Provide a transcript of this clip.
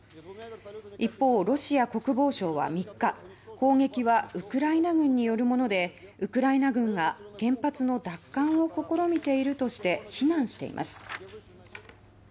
一方、ロシア国防省は３日砲撃は「ウクライナ軍によるものでウクライナ軍が原発の奪還を試みている」として非難しています。